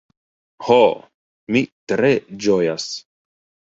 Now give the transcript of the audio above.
Ho, mi tre ĝojas.